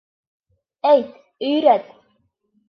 Әйт, өйрәт!